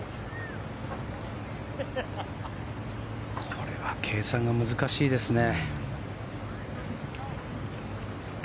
これは計算が難しいですね。